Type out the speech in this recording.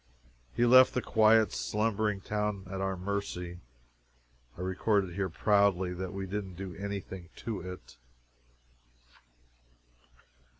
He left the quiet, slumbering town at our mercy. I record it here proudly, that we didn't do any thing to it.